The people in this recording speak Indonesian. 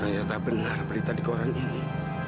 ternyata benar berita di koran ini